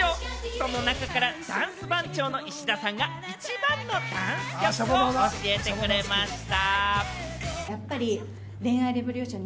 その中からダンス番長の石田さんが一番のダンス曲を教えてくれました。